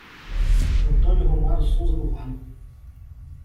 Antônio Romario Souza do Vale